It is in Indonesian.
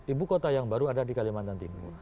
ibu kota yang baru ada di kalimantan timur